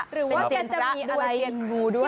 หรือว่ากันจะมีอะไรมีงูด้วยเป็นเสียงพระด้วย